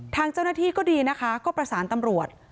ทางเจ้าหน้าที่ก็ดีนะคะก็ประสานตำรวจ